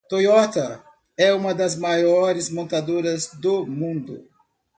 Toyota é uma das maiores montadoras do mundo.